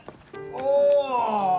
ああ！